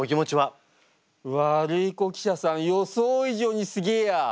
ワルイコ記者さん予想以上にすげえや！